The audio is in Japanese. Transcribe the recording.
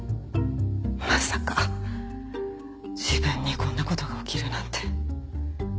まさか自分にこんな事が起きるなんて。